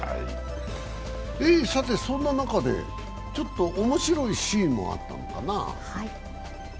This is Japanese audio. さて、そんな中で、ちょっとおもしろいシーンもあったんだな。